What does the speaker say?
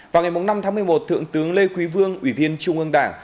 vào ngày năm tháng một mươi một thượng tướng lê quý vương ủy viên trung ương đảng